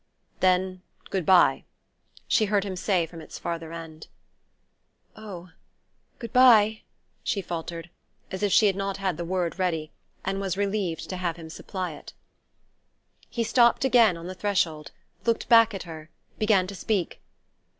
"Then good bye," she heard him say from its farther end. "Oh, good bye," she faltered, as if she had not had the word ready, and was relieved to have him supply it. He stopped again on the threshold, looked back at her, began to speak.